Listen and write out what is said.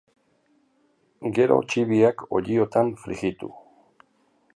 Gero txibiak olliotan frijitu.